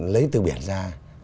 lấy từ biển ra